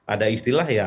ada istilah ya